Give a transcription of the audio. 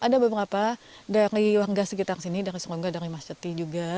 di warga sekitar sini dari seorang warga dari masjid juga